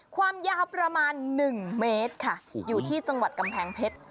ความยาวประมาณ๑เมตรค่ะอยู่ที่จังหวัดกำแพงเพชร